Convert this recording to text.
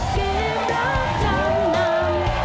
เกมรับทางน้ำ